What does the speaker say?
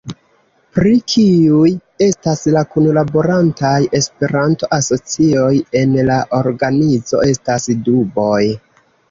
Pri kiuj estas la kunlaborantaj Esperanto-asocioj en la organizo estas duboj.